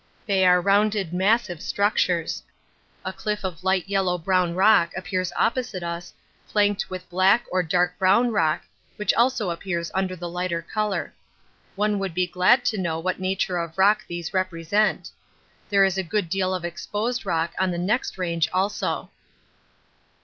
They are rounded massive structures. A cliff of light yellow brown rock appears opposite us, flanked with black or dark brown rock, which also appears under the lighter colour. One would be glad to know what nature of rock these represent. There is a good deal of exposed rock on the next range also.